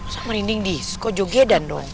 sampai merinding di sko jogedan dong